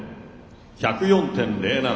１０４．０７。